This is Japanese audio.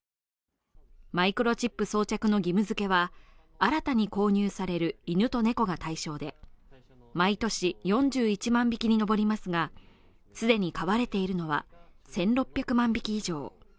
マイクロチップ装着の義務づけは、新たに購入される犬と猫が対象で毎年４１万匹に上りますが、既に飼われているのは１６００万匹以上。